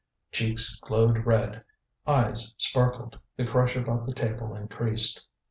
Cheeks glowed red, eyes sparkled, the crush about the table increased.